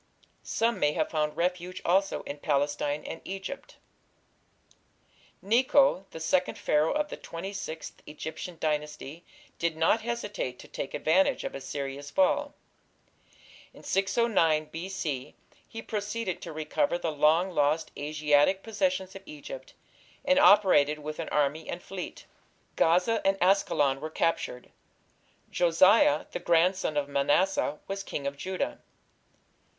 Some may have found refuge also in Palestine and Egypt. Necho, the second Pharaoh of the Twenty sixth Egyptian Dynasty, did not hesitate to take advantage of Assyria's fall. In 609 B.C. he proceeded to recover the long lost Asiatic possessions of Egypt, and operated with an army and fleet. Gaza and Askalon were captured. Josiah, the grandson of Manasseh, was King of Judah.